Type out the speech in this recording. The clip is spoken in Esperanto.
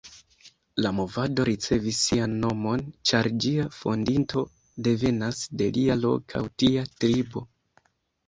La movado ricevis sian nomon ĉar ĝia fondinto devenas de la loka hutia tribo.